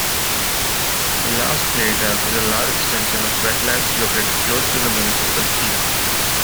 Las Playitas is a large extension of wetlands located close to the municipal seat.